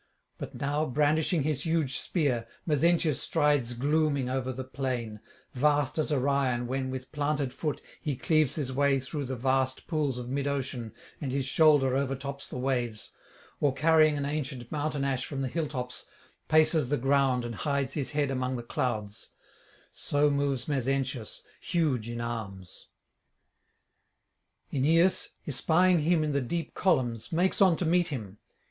But now, brandishing his huge spear, Mezentius strides glooming over the plain, vast as Orion when, with planted foot, he cleaves his way through the vast pools of mid ocean and his shoulder overtops the waves, or carrying an ancient mountain ash from the hilltops, paces the ground and hides his head among the clouds: so moves Mezentius, huge in arms. Aeneas, espying him in the deep columns, makes on to meet him.